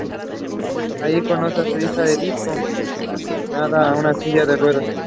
Allí conoce a su hija Edith, confinada a una silla de ruedas.